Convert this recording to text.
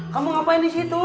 kamu ngapain di situ